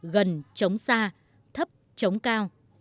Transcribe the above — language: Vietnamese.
gần chống xa thấp chống cao